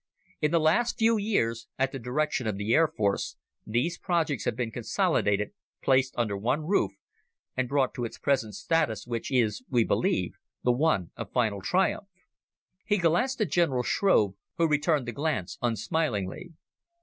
In the last few years, at the direction of the Air Force, these projects have been consolidated, placed under one main roof, and brought to its present status, which is, we believe, the one of final triumph." He glanced at General Shrove, who returned the glance unsmilingly.